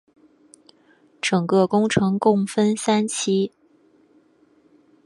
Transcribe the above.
整个工程共分三期。